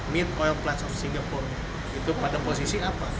mean of plate singapore itu pada posisi apa